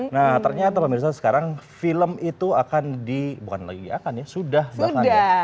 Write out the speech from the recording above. nah ternyata pemirsa sekarang film itu akan di bukan lagi akan ya sudah bahkan ya